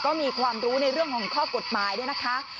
ก็มีความรู้ในเรื่องของข้อกฎหมายด้วยนะคะ